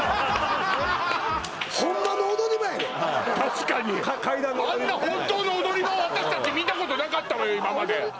確かにあんな本当の踊り場を私たち見たことなかったわよ